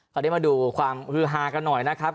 ตอนนี้มาดูความฮือฮากันหน่อยนะครับ